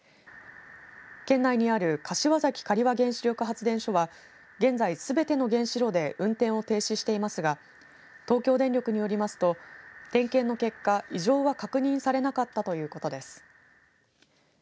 県内にある柏崎刈羽原子力発電所は現在、すべての原子炉で運転を停止していますが東京電力によりますと点検の結果異常は確認されなかったということです。